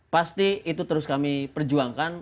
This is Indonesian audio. pasti itu terus kami perjuangkan